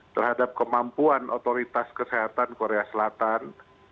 terhadap kemampuan otoritas kesehatan korea selatan